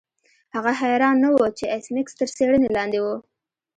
هغه حیران نه و چې ایس میکس تر څیړنې لاندې و